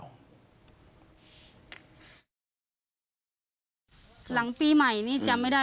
อย่าโบราณว่ามันดี